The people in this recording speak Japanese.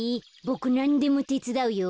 ボクなんでもてつだうよ。